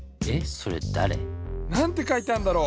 それだれ？なんてかいてあるんだろう。